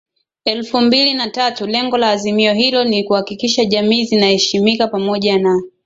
elfu mbili na tatu Lengo la azimio hilo ni kuhakikisha jamii zinaheshimika pamoja na